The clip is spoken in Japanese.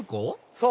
そう！